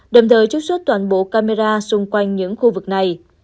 đồng thời trích xuất toàn bộ camera xung quanh những khu vực này